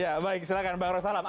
ya baik silakan bang roy salam